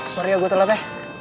sorry ya gue tolong ya